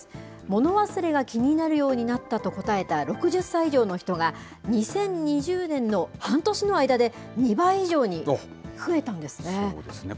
物忘れが気になるようになったと答えた６０歳以上の人が、２０２０年の半年の間で、２倍以上に増えたんですね。